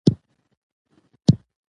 ، هغوی ته یی لارښونه وکړه ل